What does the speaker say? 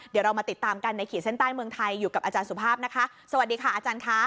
เดี๋ยวเรามาติดตามกันในขีดเส้นใต้เมืองไทยอยู่กับอาจารย์สุภาพนะคะสวัสดีค่ะอาจารย์ค่ะ